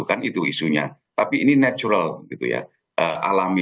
kan itu isunya tapi ini natural gitu ya